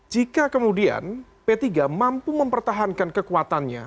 jika kemudian p tiga mampu mempertahankan kekuatannya